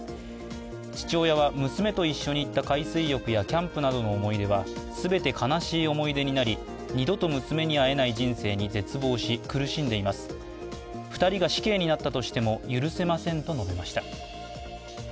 父親は娘と一緒に行った海水浴やキャンプなどの思い出は全て悲しい思い出になり、二度と娘に会えない人生に絶望し、苦しんでいます、２人が死刑になったとしても許せませんと述べました。